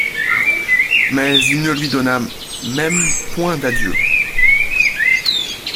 Mais il ne lui donna même point d'adieu.